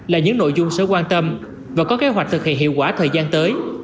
là những nội dung sẽ quan tâm và có kế hoạch thực hiện hiệu quả thời gian tới